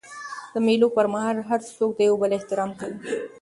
د مېلو پر مهال هر څوک د یو بل احترام کوي.